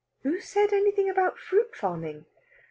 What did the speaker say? "Who said anything about fruit farming?"